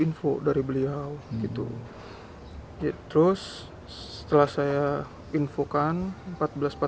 ada niat untuk melanjutkan fitrah bapak